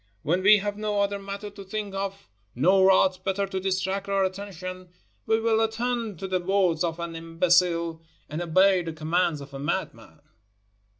When we have no other matter to think of nor aught better to distract our attention, we will attend to the words of an imbecile and obey the commands of a madman."